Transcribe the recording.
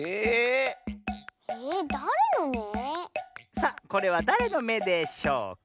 さあこれはだれのめでしょうか？